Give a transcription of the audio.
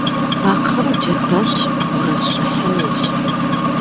Бэкхъым джэдэщ бгъурысщӏыхьынущ.